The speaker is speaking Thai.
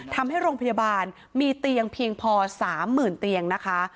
ทำให้โรงพยาบาลมีเตียงเพียงพอ๓๐๐๐เตียงนะคะ